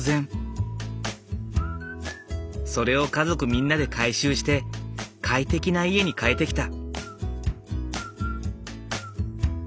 それを家族みんなで改修して快適な家に変えてきた。